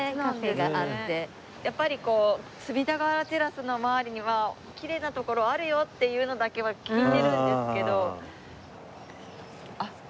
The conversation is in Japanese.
やっぱりこう隅田川テラスの周りにはきれいな所あるよっていうのだけは聞いてるんですけど。